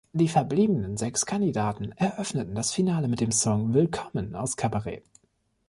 Die verbliebenen sechs Kandidaten eröffneten das Finale mit dem Song „Willkommen“ aus Cabaret.